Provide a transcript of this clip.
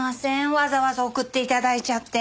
わざわざ送っていただいちゃって。